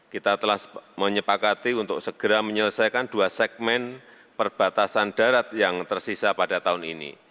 kita telah menyepakati untuk segera menyelesaikan dua segmen perbatasan darat yang tersisa pada tahun ini